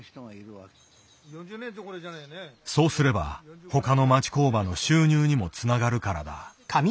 そうすれば他の町工場の収入にもつながるからだ。